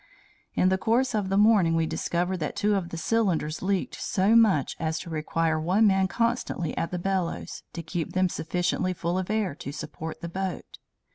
"In the course of the morning we discovered that two of the cylinders leaked so much as to require one man constantly at the bellows, to keep them sufficiently full of air to support the boat.